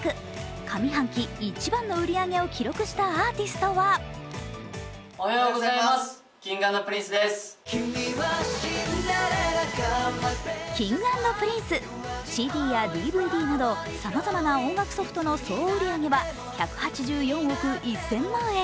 上半期一番の売り上げを記録したアーティストはＫｉｎｇ＆ＰｒｉｎｃｅＣＤやＤＶＤなどさまざまな音楽ソフトの総売上は１８４億１０００万円